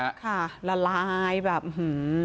ค่ะละลายแบบหื้อ